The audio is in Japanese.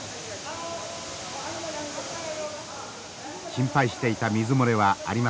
心配していた水漏れはありません。